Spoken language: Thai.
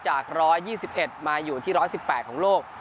จาก๑๒๑มาอยู่ที่๑๑๘ของโลก